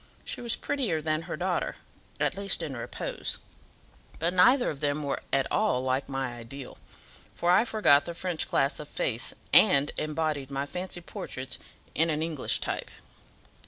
She was prettier than her daughter, at least in repose; but neither of them were at all like my ideal; for I forgot the French class of face, and embodied my fancy portraits in an English type."